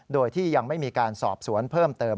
โดยที่ยังไม่มีการสอบสวนเพิ่มเติม